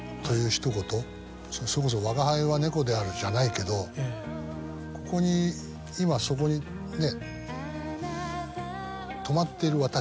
それこそ「吾輩は猫である」じゃないけどここに今そこにね。